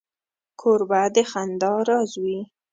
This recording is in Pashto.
کوربه د خندا راز وي.